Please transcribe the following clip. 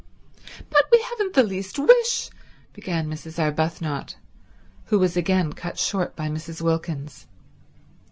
"But we haven't the least wish—" began Mrs. Arbuthnot, who was again cut short by Mrs. Wilkins.